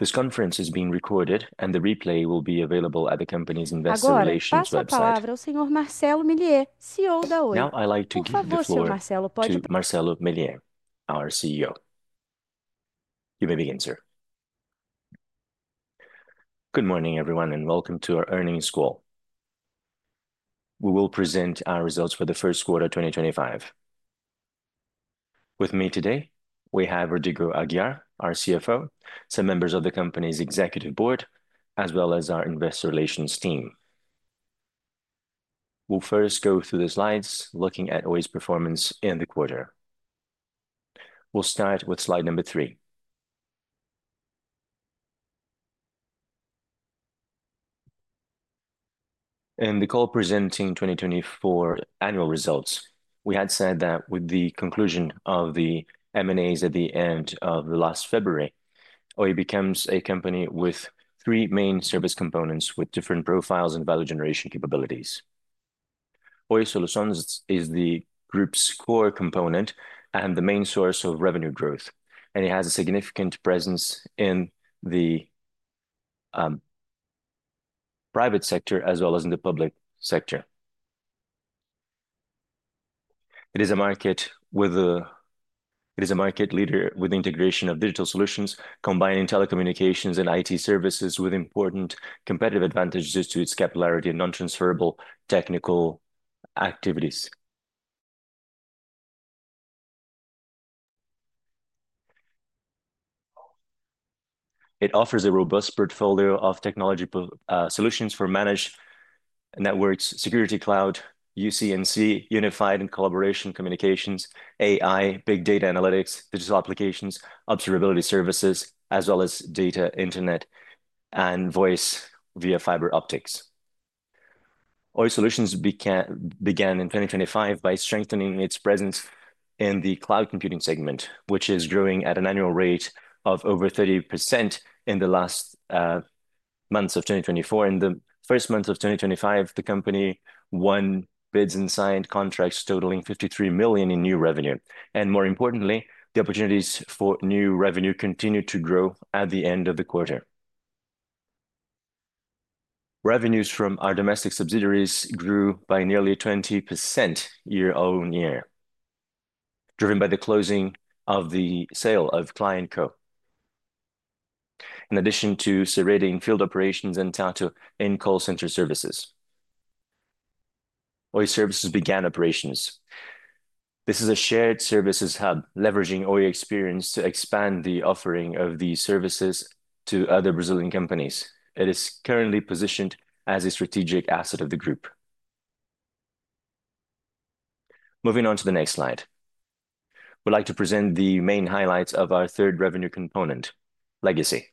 This conference is being recorded, and the replay will be available at the company's investor relations website. Agora eu passo a palavra ao senhor Marcelo Millier, CEO da Oi. Now I'd like to give you the floor. Por favor, senhor Marcelo, pode. Marcelo Millet, our CEO. You may begin, sir. Good morning, everyone, and welcome to our Earnings Call. We will present our results for the first quarter of 2025. With me today, we have Rodrigo Aguiar, our CFO, some members of the company's executive board, as well as our investor relations team. We'll first go through the slides looking at Oi's performance in the quarter. We'll start with slide number three. In the call presenting 2024 annual results, we had said that with the conclusion of the M&As at the end of last February, Oi becomes a company with three main service components with different profiles and value generation capabilities. Oi Solutions is the group's core component and the main source of revenue growth, and it has a significant presence in the private sector as well as in the public sector. It is a market leader with the integration of digital solutions, combining telecommunications and IT services with important competitive advantages to its capillarity and non-transferable technical activities. It offers a robust portfolio of technology solutions for managed networks, security cloud, UC&C Unified Communications and Collaboration, AI, big data analytics, digital applications, observability services, as well as data internet and voice via fiber optics. Oi Solutions began in 2025 by strengthening its presence in the cloud computing segment, which is growing at an annual rate of over 30% in the last months of 2024. In the first month of 2025, the company won bids and signed contracts totaling 53 million in new revenue. More importantly, the opportunities for new revenue continued to grow at the end of the quarter. Revenues from our domestic subsidiaries grew by nearly 20% year-on-year, driven by the closing of the sale of ClientCo in addition to Serede field operations and Tahto call center services. Oi Services began operations. This is a shared services hub leveraging Oi experience to expand the offering of these services to other Brazilian companies. It is currently positioned as a strategic asset of the group. Moving on to the next slide, we'd like to present the main highlights of our third revenue component, legacy.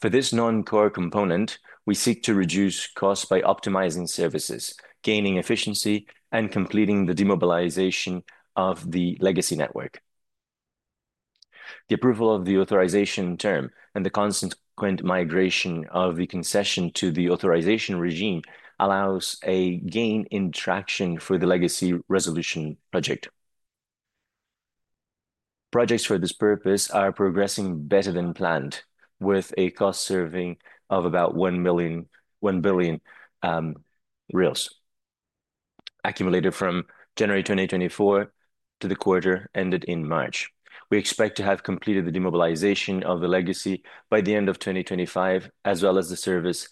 For this non-core component, we seek to reduce costs by optimizing services, gaining efficiency, and completing the demobilization of the legacy network. The approval of the authorization term and the consequent migration of the concession to the authorization regime allows a gain in traction for the legacy resolution project. Projects for this purpose are progressing better than planned, with a cost saving of about 1 billion accumulated from January 2024 to the quarter ended in March. We expect to have completed the demobilization of the legacy by the end of 2025, as well as the service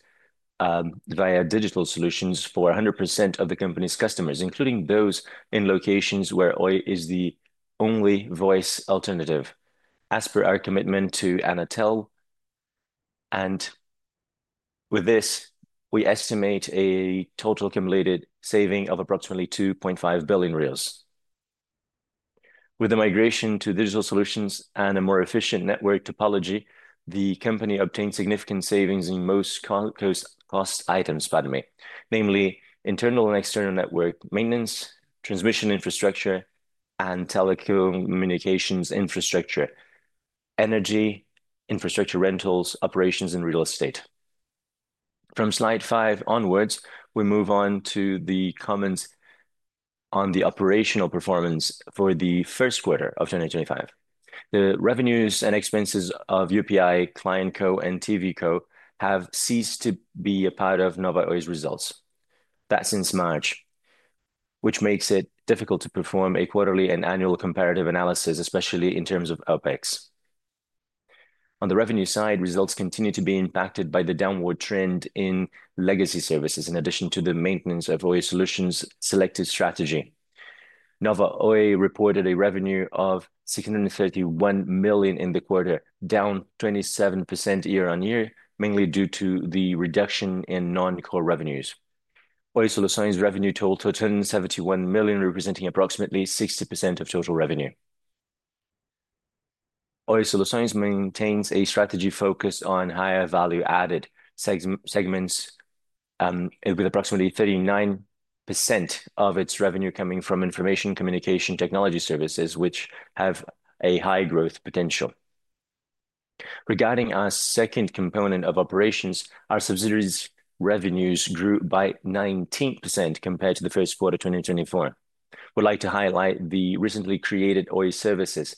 via digital solutions for 100% of the company's customers, including those in locations where Oi is the only voice alternative, as per our commitment to Anatel. With this, we estimate a total accumulated saving of approximately 2.5 billion. With the migration to digital solutions and a more efficient network topology, the company obtained significant savings in most cost items, namely internal and external network maintenance, transmission infrastructure and telecommunications infrastructure, energy infrastructure, rentals, operations, and real estate. From slide five onwards, we move on to the comments on the operational performance for the first quarter of 2025. The revenues and expenses of UPI, ClientCo and TVCo have ceased to be a part of Nova Oi's results since March, which makes it difficult to perform a quarterly and annual comparative analysis, especially in terms of OpEx. On the revenue side, results continue to be impacted by the downward trend in legacy services, in addition to the maintenance of Oi Solutions' selective strategy. Nova Oi reported a revenue of 631 million in the quarter, down 27% year-on-year, mainly due to the reduction in non-core revenues. Oi Solutions' revenue total is 71 million, representing approximately 60% of total revenue. Oi solutions maintains a strategy focused on higher value-added segments, with approximately 39% of its revenue coming from information communication technology services, which have a high growth potential. Regarding our second component of operations, our subsidiaries' revenues grew by 19% compared to the first quarter of 2024. We'd like to highlight the recently created Oi services,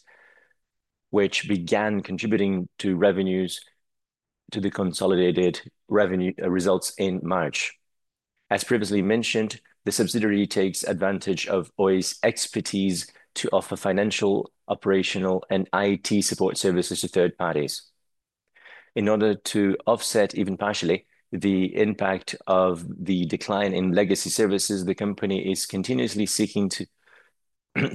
which began contributing to revenues to the consolidated revenue results in March. As previously mentioned, the subsidiary takes advantage of Oi's expertise to offer financial, operational, and IT support services to third parties. In order to offset, even partially, the impact of the decline in legacy services, the company is continuously seeking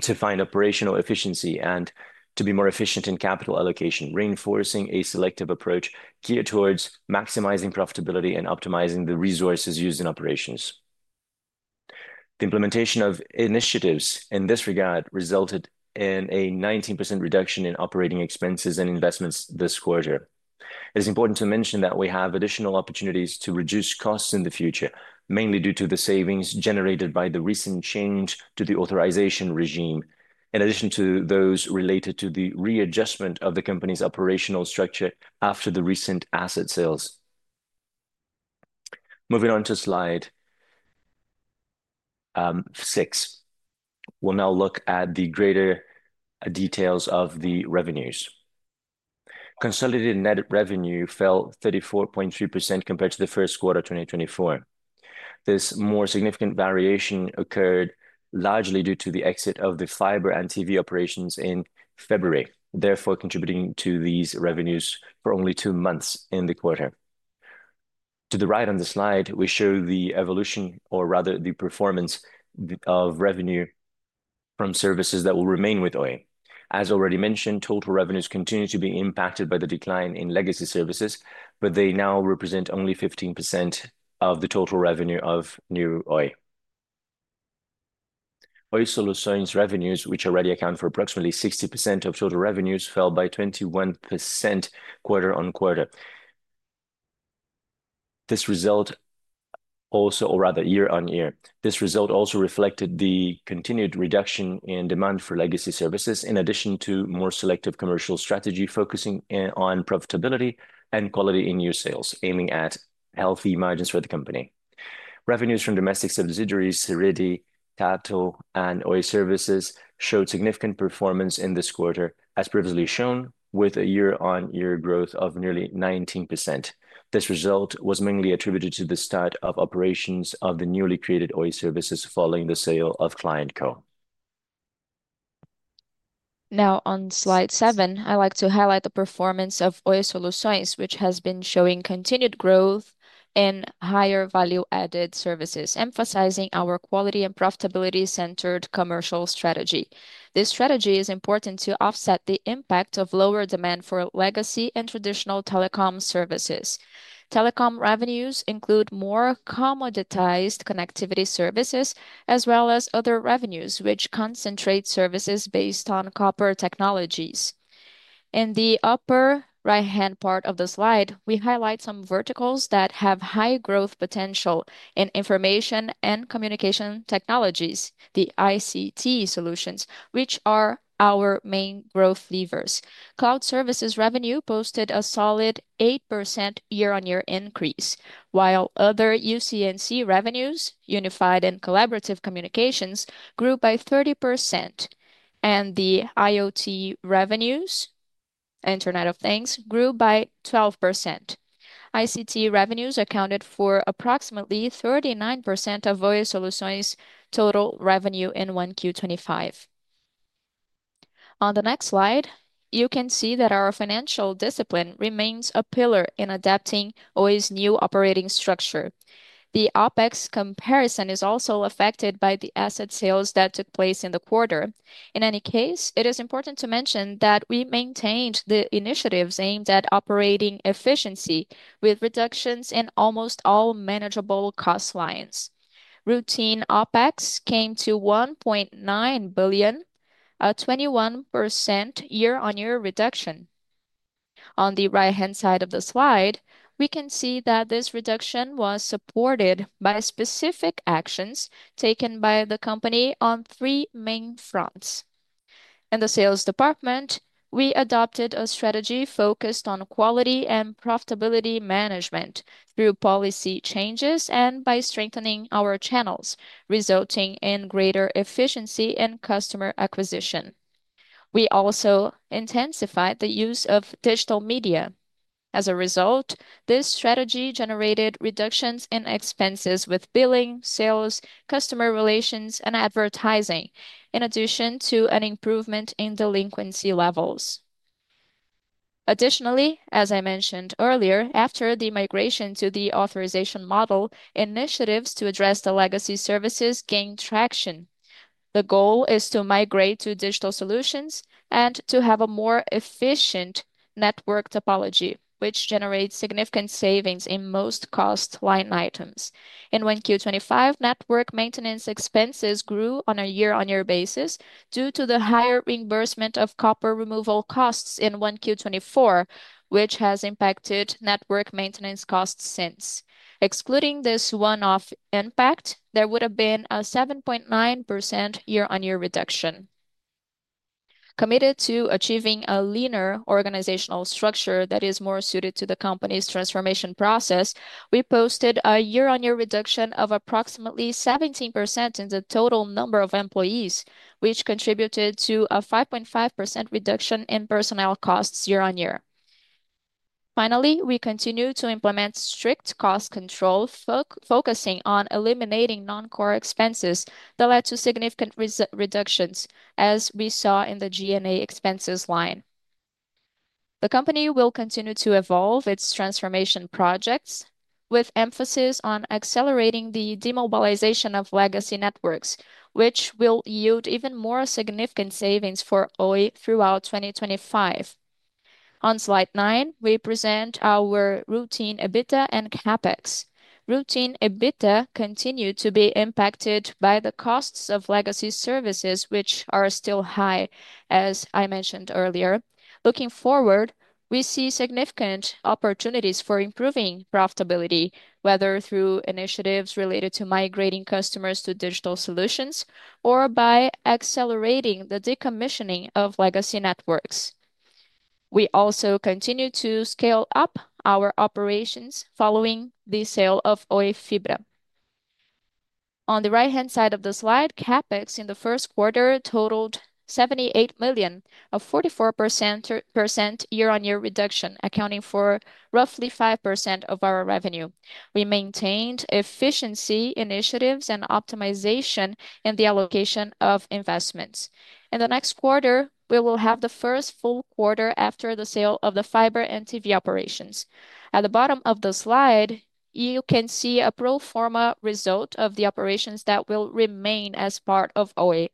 to find operational efficiency and to be more efficient in capital allocation, reinforcing a selective approach geared towards maximizing profitability and optimizing the resources used in operations. The implementation of initiatives in this regard resulted in a 19% reduction in operating expenses and investments this quarter. It is important to mention that we have additional opportunities to reduce costs in the future, mainly due to the savings generated by the recent change to the authorization regime, in addition to those related to the readjustment of the company's operational structure after the recent asset sales. Moving on to slide six, we'll now look at the greater details of the revenues. Consolidated net revenue fell 34.3% compared to the first quarter of 2024. This more significant variation occurred largely due to the exit of the fiber and TV operations in February, therefore contributing to these revenues for only two months in the quarter. To the right on the slide, we show the evolution, or rather the performance, of revenue from services that will remain with Oi. As already mentioned, total revenues continue to be impacted by the decline in legacy services, but they now represent only 15% of the total revenue of new Oi. Oi Solutions' revenues, which already account for approximately 60% of total revenues, fell by 21% quarter on quarter. This result also, or rather year-on-year, this result also reflected the continued reduction in demand for legacy services, in addition to more selective commercial strategy focusing on profitability and quality in new sales, aiming at healthy margins for the company. Revenues from domestic subsidiaries, Serede, Tahto, and Oi services showed significant performance in this quarter, as previously shown, with a year-on-year growth of nearly 19%. This result was mainly attributed to the start of operations of the newly created Oi services following the sale of ClientCo. Now, on slide seven, I'd like to highlight the performance of Oi Solutions, which has been showing continued growth in higher value-added services, emphasizing our quality and profitability-centered commercial strategy. This strategy is important to offset the impact of lower demand for legacy and traditional telecom services. Telecom revenues include more commoditized connectivity services, as well as other revenues, which concentrate services based on copper technologies. In the upper right-hand part of the slide, we highlight some verticals that have high growth potential in information and communication technologies, the ICT solutions, which are our main growth levers. Cloud services revenue posted a solid 8% year-on-year increase, while other UC&C revenues, Unified and Collaborative Communications, grew by 30%, and the IoT revenues, Internet of Things, grew by 12%. ICT revenues accounted for approximately 39% of Oi Solutions' total revenue in 1Q2025. On the next slide, you can see that our financial discipline remains a pillar in adapting Oi's new operating structure. The OpEx comparison is also affected by the asset sales that took place in the quarter. In any case, it is important to mention that we maintained the initiatives aimed at operating efficiency with reductions in almost all manageable cost lines. Routine OpEx came to 1.9 billion, a 21% year-on-year reduction. On the right-hand side of the slide, we can see that this reduction was supported by specific actions taken by the company on three main fronts. In the sales department, we adopted a strategy focused on quality and profitability management through policy changes and by strengthening our channels, resulting in greater efficiency in customer acquisition. We also intensified the use of digital media. As a result, this strategy generated reductions in expenses with billing, sales, customer relations, and advertising, in addition to an improvement in delinquency levels. Additionally, as I mentioned earlier, after the migration to the authorization model, initiatives to address the legacy services gained traction. The goal is to migrate to digital solutions and to have a more efficient network topology, which generates significant savings in most cost line items. In 1Q 2025, network maintenance expenses grew on a year-on-year basis due to the higher reimbursement of copper removal costs in 1Q 2024, which has impacted network maintenance costs since. Excluding this one-off impact, there would have been a 7.9% year-on-year reduction. Committed to achieving a leaner organizational structure that is more suited to the company's transformation process, we posted a year-on-year reduction of approximately 17% in the total number of employees, which contributed to a 5.5% reduction in personnel costs year-on-year. Finally, we continue to implement strict cost control, focusing on eliminating non-core expenses that led to significant reductions, as we saw in the G&A expenses line. The company will continue to evolve its transformation projects with emphasis on accelerating the demobilization of legacy networks, which will yield even more significant savings for Oi throughout 2025. On slide nine, we present our routine EBITDA and CapEx. Routine EBITDA continued to be impacted by the costs of legacy services, which are still high, as I mentioned earlier. Looking forward, we see significant opportunities for improving profitability, whether through initiatives related to migrating customers to digital solutions or by accelerating the decommissioning of legacy networks. We also continue to scale up our operations following the sale of Oi Fibra. On the right-hand side of the slide, CapEx in the first quarter totaled 78 million, a 44% year-on-year reduction, accounting for roughly 5% of our revenue. We maintained efficiency initiatives and optimization in the allocation of investments. In the next quarter, we will have the first full quarter after the sale of the fiber and TV operations. At the bottom of the slide, you can see a pro forma result of the operations that will remain as part of Oi.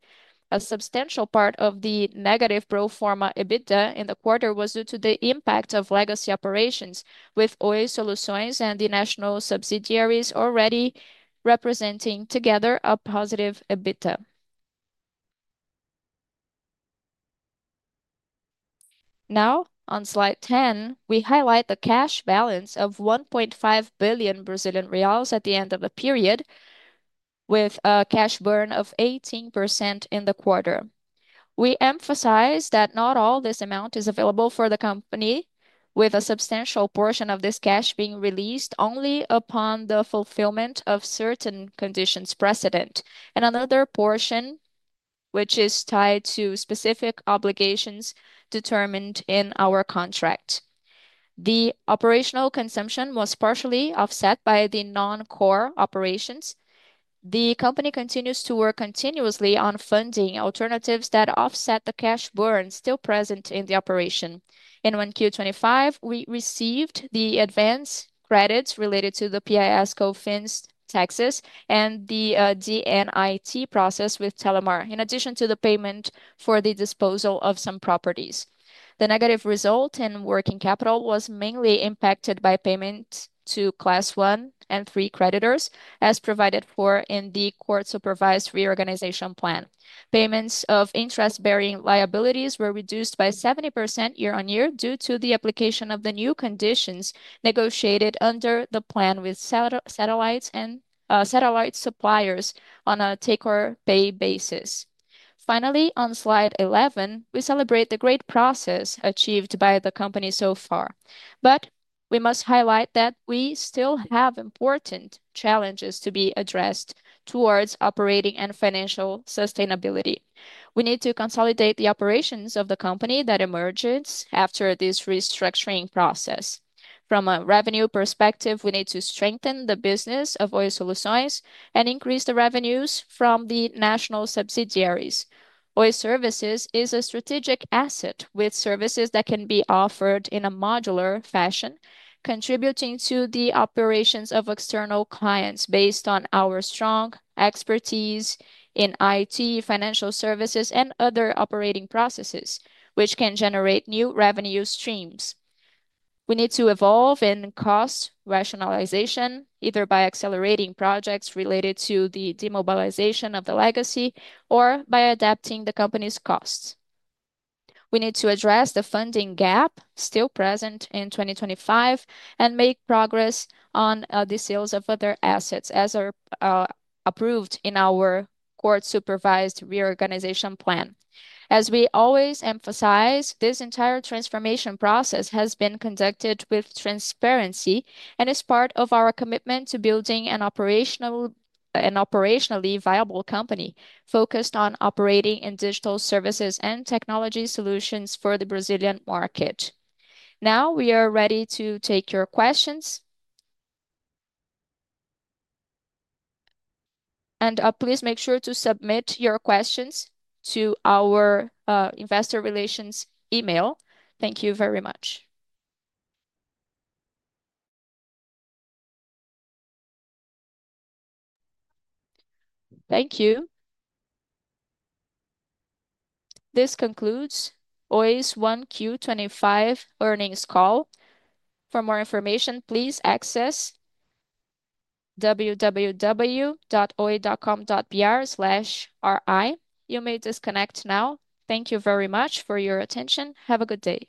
A substantial part of the negative pro forma EBITDA in the quarter was due to the impact of legacy operations, with Oi Solutions and the national subsidiaries already representing together a positive EBITDA. Now, on slide 10, we highlight the cash balance of 1.5 billion Brazilian reais at the end of the period, with a cash burn of 18% in the quarter. We emphasize that not all this amount is available for the company, with a substantial portion of this cash being released only upon the fulfillment of certain conditions precedent, and another portion which is tied to specific obligations determined in our contract. The operational consumption was partially offset by the non-core operations. The company continues to work continuously on funding alternatives that offset the cash burn still present in the operation. In 1Q 2025, we received the advance credits related to the PIS/COFINS taxes and the DNIT process with Telemar, in addition to the payment for the disposal of some properties. The negative result in working capital was mainly impacted by payment to Class I and III creditors, as provided for in the court-supervised reorganization plan. Payments of interest-bearing liabilities were reduced by 70% year-on-year due to the application of the new conditions negotiated under the plan with satellites and satellite suppliers on a take-or-pay basis. Finally, on slide 11, we celebrate the great process achieved by the company so far, but we must highlight that we still have important challenges to be addressed towards operating and financial sustainability. We need to consolidate the operations of the company that emerged after this restructuring process. From a revenue perspective, we need to strengthen the business of Oi Solutions and increase the revenues from the national subsidiaries. Oi services is a strategic asset with services that can be offered in a modular fashion, contributing to the operations of external clients based on our strong expertise in IT, financial services, and other operating processes, which can generate new revenue streams. We need to evolve in cost rationalization, either by accelerating projects related to the demobilization of the legacy or by adapting the company's costs. We need to address the funding gap still present in 2025 and make progress on the sales of other assets, as are approved in our court-supervised reorganization plan. As we always emphasize, this entire transformation process has been conducted with transparency and is part of our commitment to building an operationally viable company focused on operating in digital services and technology solutions for the Brazilian market. Now we are ready to take your questions. Please make sure to submit your questions to our investor relations email. Thank you very much. Thank you. This concludes Oi's 1Q 2025 earnings call. For more information, please access www.oi.com.br/ri. You may disconnect now. Thank you very much for your attention. Have a good day.